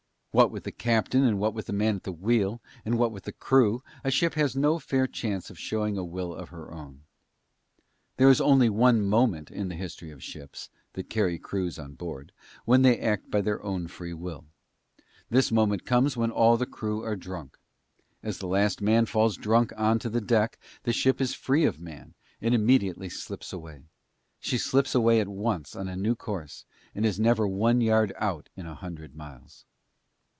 What with the captain and what with the man at the wheel, and what with the crew, a ship has no fair chance of showing a will of her own. There is only one moment in the history of ships, that carry crews on board, when they act by their own free will. This moment comes when all the crew are drunk. As the last man falls drunk on to the deck, the ship is free of man, and immediately slips away. She slips away at once on a new course and is never one yard out in a hundred miles.